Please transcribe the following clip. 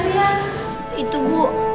oh tapi tuh uwu